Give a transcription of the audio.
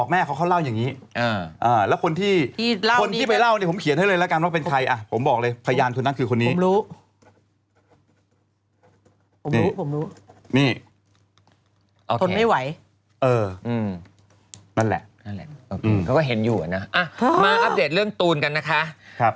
มาอัพเดตเรื่องตูนกันนะคะ